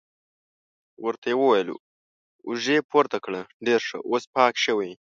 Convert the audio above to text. ورته یې وویل: اوږې پورته کړه، ډېر ښه، اوس پاک شوې.